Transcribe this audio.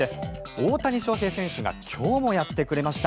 大谷翔平選手が今日もやってくれました。